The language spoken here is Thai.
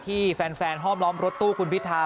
ที่แฟนห้อมล้อมรถตู้คุณพิธา